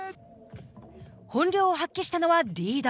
本領を発揮したのはリード。